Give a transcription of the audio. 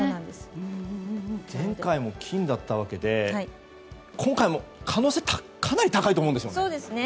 前回も金だったわけで今回も可能性かなり高いと思うんです。